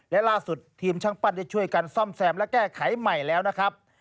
และล่าสุดทีมช่างปั้นได้ช่วยกันซ่อมแซมและแก้ไขใหม่แล้วนะครับ